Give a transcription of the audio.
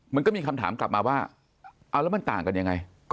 มันก็มีคำถามกลับมาว่าเอาแล้วมันต่างกันยังไง